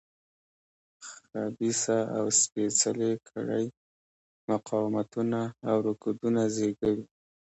خبیثه او سپېڅلې کړۍ مقاومتونه او رکودونه زېږوي.